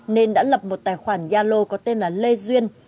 nên đã lập một tài khoản gia lô có tên là lê duyên